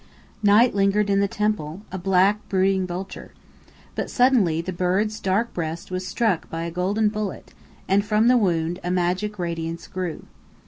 Night lingered in the temple, a black, brooding vulture. But suddenly the bird's dark breast was struck by a golden bullet and from the wound a magic radiance grew.